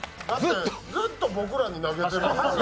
ずっと僕らに投げてる。